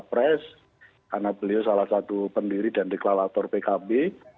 pres karena beliau salah satu pendiri dan deklarator pkb